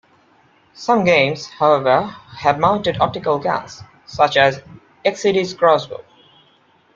Some games, however, have mounted optical guns, such as Exidy's "Crossbow".